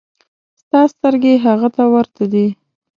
ستا سترګې هغه ته ورته دي.